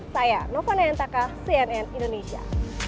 saya novana yentaka cnn indonesia